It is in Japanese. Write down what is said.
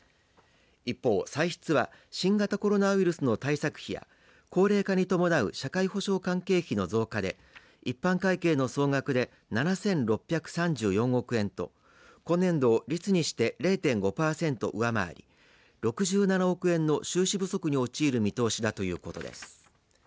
一方、歳出は新型コロナウイルスの対策費や高齢化に伴う社会保障関係費の増加で一般会計の総額で７６３４億円と今年度を率にして０．５パーセント上回り６７億円の収支不足に陥る見通しだということです。